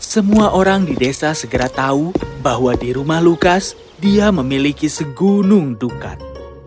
semua orang di desa segera tahu bahwa di rumah lukas dia memiliki segunung dukat